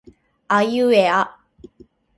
あいうえあ